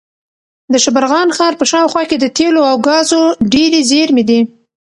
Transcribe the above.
د شبرغان ښار په شاوخوا کې د تېلو او ګازو ډېرې زېرمې دي.